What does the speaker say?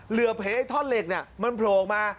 เหลือบเห็นไอ้ท่อนเหล็กมันโผล่ออกมา